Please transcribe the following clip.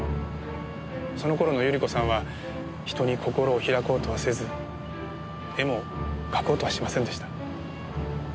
その頃の百合子さんは人に心を開こうとはせず絵も描こうとはしませんでした。